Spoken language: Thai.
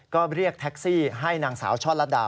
ก็เรียกแท็กซี่ให้นางสาวช่อลัดดา